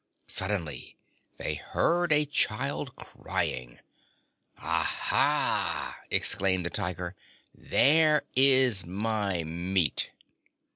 Suddenly they heard a child crying. "Aha!" exclaimed the Tiger. "There is my meat."